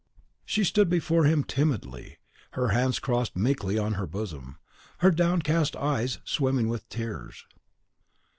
She stood before him timidly, her hands crossed meekly on her bosom, her downcast eyes swimming with tears.